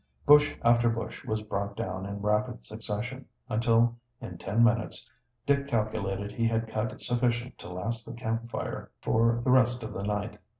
Bush after bush was brought down in rapid succession, until in ten minutes Dick calculated he had cut sufficient to last the camp fire for the rest of the night.